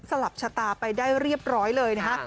หลับชะตาไปได้เรียบร้อยเลยนะฮะ